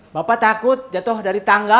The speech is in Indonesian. bapak takut jatuh dari tanggal